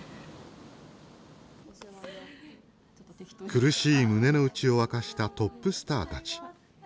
苦しい胸の内を明かしたトップスターたち。